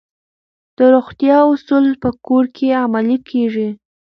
د روغتیا اصول په کور کې عملي کیږي.